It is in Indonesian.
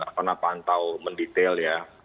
pernah pantau mendetail ya